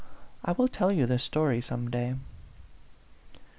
I will tell you the story some day."